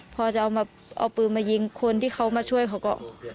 พอจะเอาปืนมายิงคนที่เขามาช่วยเขาก็